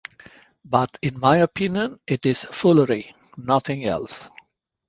But in my opinion it is foolery, nothing else.